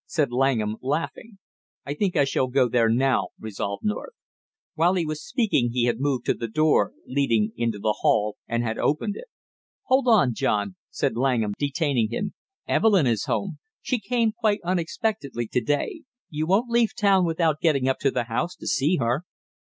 said Langham laughing. "I think I shall go there now," resolved North. While he was speaking he had moved to the door leading into the hail, and had opened it. "Hold on, John!" said Langham, detaining him. "Evelyn is home. She came quite unexpectedly to day; you won't leave town without getting up to the house to see her?"